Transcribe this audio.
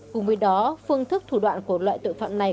cùng với đó phương thức thủ đoạn của loại tội phạm này